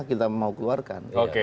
kita mau keluarkan